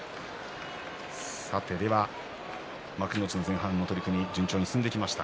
幕内の前半の取組、順調に進んできました。